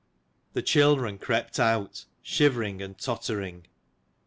The children crept out, shivering and tottering.